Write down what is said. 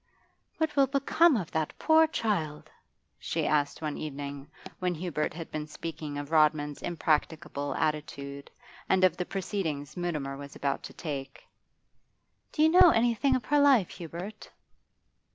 'What will become of that poor child?' she asked one evening, when Hubert had been speaking of Rodman's impracticable attitude, and of the proceedings Mutimer was about to take. 'Do you know anything of her life, Hubert?